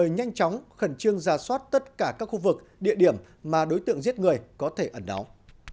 nhưng ra soát tất cả các khu vực địa điểm mà đối tượng giết người có thể ẩn đóng